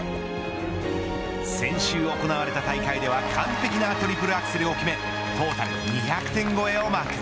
先週行われた大会では完璧なトリプルアクセルを決めトータル２００点超えをマーク。